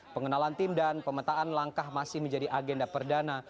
pengenalan tim dan pemetaan langkah masih menjadi agenda perdana